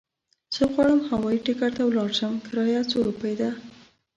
زه غواړم هوايي ډګر ته ولاړ شم، کرايه څو روپی ده؟